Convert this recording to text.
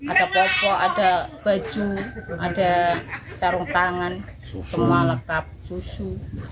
ada pokok ada baju ada sarung tangan semua lengkap susu